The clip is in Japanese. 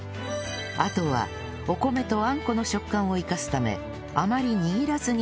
あとはお米とあんこの食感を生かすためあまり握らずにあんこをかけるだけ